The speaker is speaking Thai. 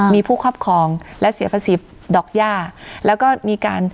มีผู้ครอบครองและเสียผสิบดอกย่า